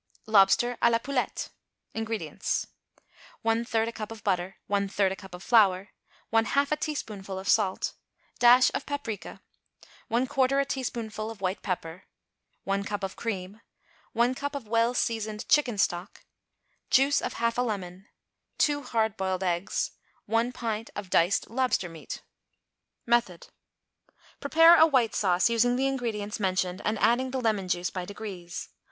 =Lobster à la Poulette.= INGREDIENTS. 1/3 a cup of butter. 1/3 a cup of flour. 1/2 a teaspoonful of salt. Dash of paprica. 1/4 a teaspoonful of white pepper. 1 cup of cream. 1 cup of well seasoned chicken stock. Juice of half a lemon. 2 hard boiled eggs. 1 pint of diced lobster meat. Method. Prepare a white sauce, using the ingredients mentioned, and adding the lemon juice by degrees.